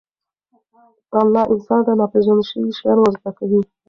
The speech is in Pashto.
الله انسان ته ناپېژندل شوي شیان ورزده کوي.